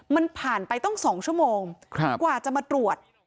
มันผ่านไปต้อง๒ชั่วโมงกว่าจะมาตรวจ